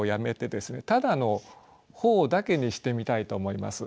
ただの「頬」だけにしてみたいと思います。